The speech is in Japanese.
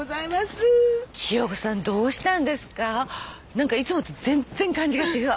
何かいつもと全然感じが違う。